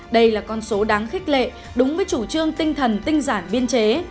đây là con số đáng khích lệ đúng với chủ trương tinh thần tinh giản biên chế